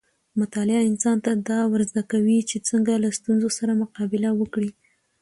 مطالعه انسان ته دا ورزده کوي چې څنګه له ستونزو سره مقابله وکړي.